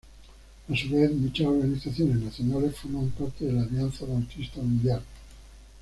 A su vez, muchas organizaciones nacionales forman parte de la Alianza Bautista Mundial.